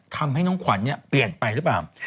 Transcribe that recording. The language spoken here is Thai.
ทำให้น้องขวัญเปลี่ยนไปหรือเปล่า